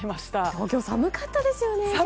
東京寒かったですよね。